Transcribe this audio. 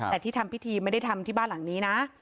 แต่ที่ทำพิธีไม่ได้ทำที่บ้านหลังนี้นะ